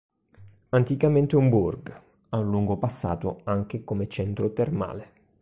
Anticamente un "burgh", ha un lungo passato anche come centro termale.